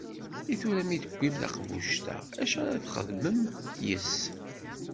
I tura mi d-tiwim taqbuct-a acu ara txedmem yis-s?